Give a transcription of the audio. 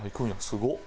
すごっ！